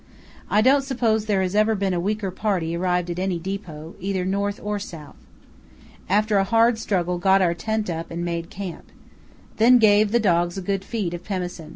I don't suppose there has ever been a weaker party arrive at any depot, either north or south. After a hard struggle got our tent up and made camp. Then gave the dogs a good feed of pemmican.